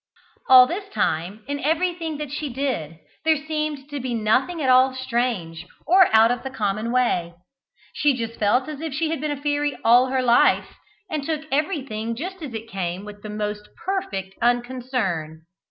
All this time, in everything that she did, there seemed to be nothing at all strange, or out of the common way. She felt just as if she had been a fairy all her life, and took everything just as it came with the most perfect unconcern.